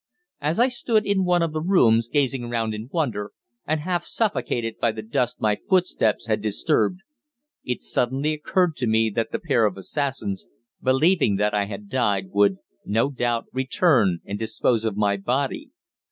As I stood in one of the rooms, gazing round in wonder, and half suffocated by the dust my footsteps had disturbed, it suddenly occurred to me that the pair of assassins, believing that I had died, would, no doubt, return and dispose of my body.